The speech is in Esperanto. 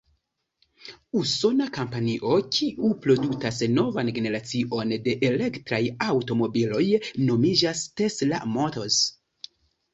Usona kompanio, kiu produktas novan generacion de elektraj aŭtomobiloj, nomiĝas Tesla Motors.